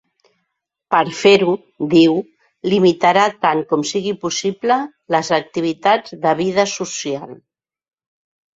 Per fer-ho, diu, limitarà tant com sigui possible les activitats de vida social.